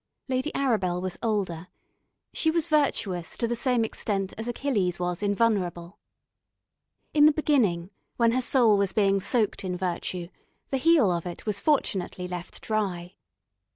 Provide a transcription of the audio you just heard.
Lady Arabel was older: she was virtuous to the same extent as Achilles was invulnerable. In the beginning, when her soul was being soaked in virtue, the heel of it was fortunately left dry.